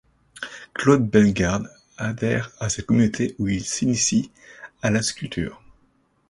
Claude Bellegarde adhère à cette communauté où il s'initie à la sculpture.